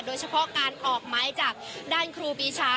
โดยเฉพาะการออกไม้จับด้านครูปีชา